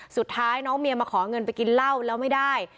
สุดท้ายน้องเมียมาขอเงินไปกินเหล้าแล้วไม่ได้